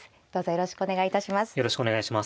よろしくお願いします。